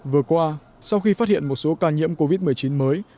vừa qua sau khi phát hiện một số ca nhiễm covid một mươi chín mới